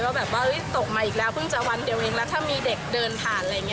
ก็ฟังเลยว่าตกมาอีกแล้วเพิ่งจะวันเดี๋ยวนิ้นและถ้ามีเด็กเดินผ่าน